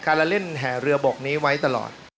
ละเล่นแห่เรือบกนี้ไว้ตลอด